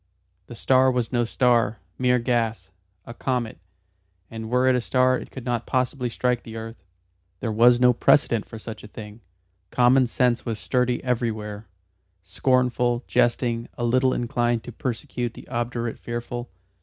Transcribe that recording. The star was no star mere gas a comet; and were it a star it could not possibly strike the earth. There was no precedent for such a thing. Common sense was sturdy everywhere, scornful, jesting, a little inclined to persecute the obdurate fearful.